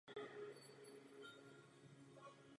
Jeviště je vybaveno protipožární železnou oponou a bobinetem.